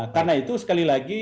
karena itu sekali lagi